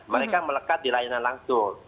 mereka melekat di layanan langsung